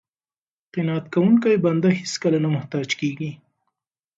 قناعت کوونکی بنده هېڅکله نه محتاج کیږي.